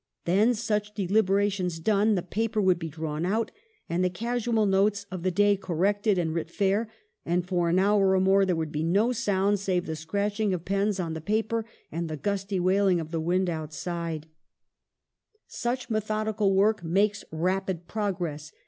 Then, such deliberations done, the paper would be drawn out, and the casual notes of the day corrected and writ fair ; and for an hour or more there would be no sound save the scratch ing of pens on the paper and the gusty wailing of the wind outside. 1 A. C. Swinburne. ' Note on Charlotte Bronte.' 202 EMILY BRONTE. Such methodical work makes rapid progress.